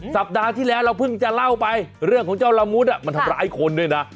สัปดาห์ที่แล้วเราเพิ่งจะเล่าไปเรื่องของเจ้าละมุดมันทำร้ายคนด้วยนะ